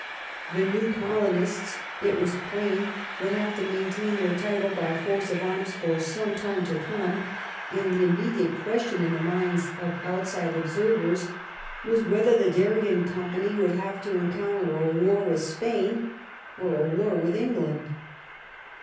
The new colonists, it was plain, would have to maintain their title by force of arms for some time to come, and the immediate ques tion in the minds of outside observers was whether the Darien company would have to encounter a war with Spain or a war with England.